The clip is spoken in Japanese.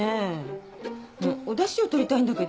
おだしを取りたいんだけど。